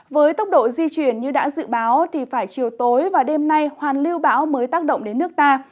với tốc độ di chuyển như đã dự báo thì phải chiều tối và đêm nay hoàn lưu bão mới tác động đến nước ta